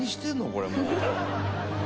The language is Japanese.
これもう」